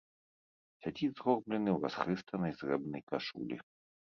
Сядзіць згорблены ў расхрыстанай зрэбнай кашулі.